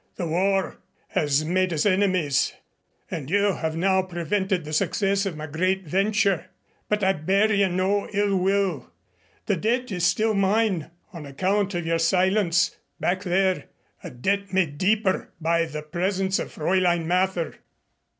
The war has made us enemies, and you have now prevented the success of my great venture. But I bear you no illwill. The debt is still mine on account of your silence, back there a debt made deeper by the presence of Fräulein Mather."